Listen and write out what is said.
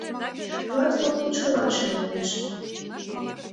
Класс кок тӱшкалан шелалтеш.